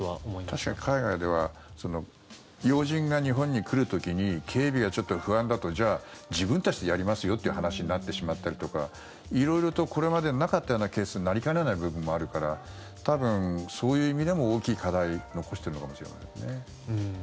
確かに海外では要人が日本に来る時に警備がちょっと不安だとじゃあ、自分たちでやりますよって話になってしまったりとか色々とこれまでなかったようなケースになりかねない部分もあるから多分、そういう意味でも大きい課題を残しているのかもしれないですね。